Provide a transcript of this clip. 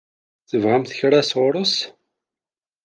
Tebɣamt kra sɣur-s?